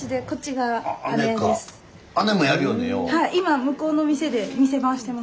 今向こうの店で店番してます。